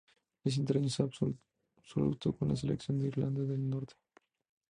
Es internacional absoluto con la selección de Irlanda del Norte.